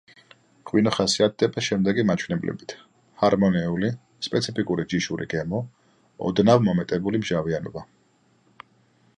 ღვინო ხასიათდება შემდეგი მაჩვენებლებით: ჰარმონიული, სპეციფიკური ჯიშური გემო, ოდნავ მომეტებული მჟავიანობა.